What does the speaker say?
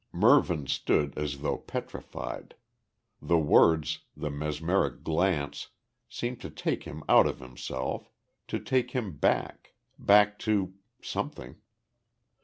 Mervyn stood as though petrified. The words, the mesmeric glance seemed to take him out of himself to take him back; back to something.